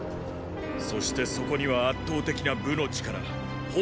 そしてそこには圧倒的な武の力煖の存在。